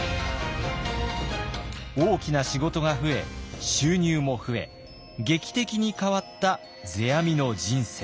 大きな仕事が増え収入も増え劇的に変わった世阿弥の人生。